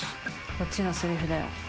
こっちのセリフだよ。